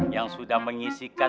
yang sudah mengisikan